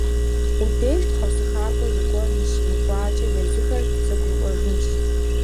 Уи деж тхьэусыхакӏуэ зыгуэр ныщымыкӏуакӏэ, езыхэр зэгурыӏуэжынщ.